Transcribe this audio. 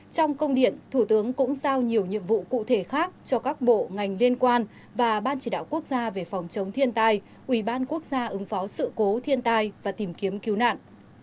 trong công điện thủ tướng cũng giao nhiều nhiệm vụ cụ thể khác cho các bộ ngành liên quan và ban chỉ đạo quốc gia về phòng chống thiên tai ủy ban quốc gia ứng phó sự cố thiên tai và tìm kiếm cứu nạn